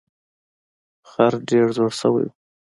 خر ډیر زوړ شوی و.